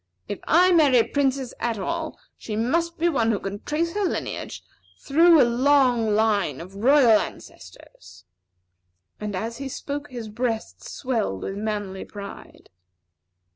If I marry a princess at all, she must be one who can trace back her lineage through a long line of royal ancestors." And as he spoke, his breast swelled with manly pride.